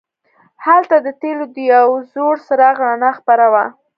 هلته د تیلو د یو زوړ څراغ رڼا خپره وه.